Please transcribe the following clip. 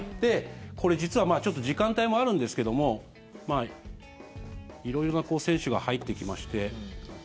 これ実は、ちょっと時間帯もあるんですけども色々な選手が入ってきまして。